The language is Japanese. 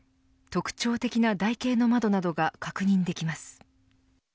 特徴的な台形の窓などが確認できます。